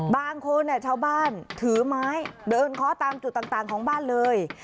บางคนชาวบ้านถือไม้เดินเคาะตามจุดต่างของบ้านเลย